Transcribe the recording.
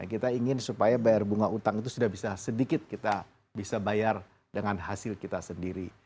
kita ingin supaya bayar bunga utang itu sudah bisa sedikit kita bisa bayar dengan hasil kita sendiri